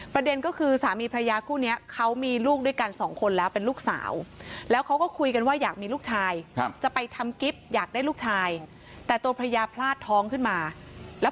ประเด็นก็คือสามีพระยาคู่นี้เขามีลูกด้วยกัน๒คนแล้วเป็นลูกสาว